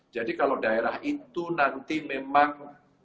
jadi kalau daerah itu nanti memang